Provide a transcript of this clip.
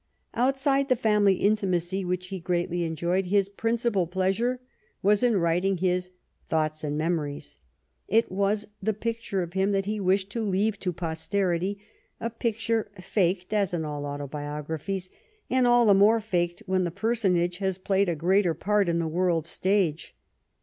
Outside the family intimacy which he greatly enjoyed, his principal pleasure was in writing his " Thoughts and Memories "; it was the picture of him that he wished to leave to posterity, a pic ture faked, as in all autobiographies, and all the more faked when the personage has played a greater part in the world's stage.